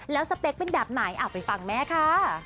แล้วสเปคเป็นแบบไหนไปฟังแม่ค่ะ